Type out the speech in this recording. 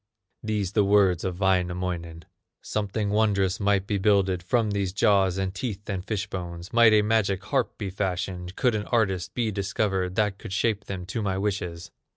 These the words of Wainamoinen: "Something wondrous might be builded From these jaws, and teeth, and fish bones; Might a magic harp be fashioned, Could an artist be discovered That could shape them to my wishes."